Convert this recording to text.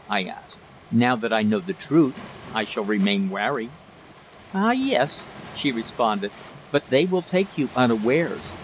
I asked. "Now that I know the truth I shall remain wary." "Ah, yes," she responded. "But they will take you unawares.